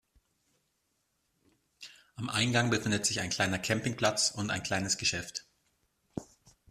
Am Eingang befindet sich ein kleiner Campingplatz und ein kleines Geschäft.